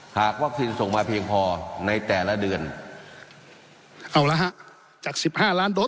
หากวัคซีนส่งมาเพียงพอในแต่ละเดือนเอาละฮะจากสิบห้าล้านโดส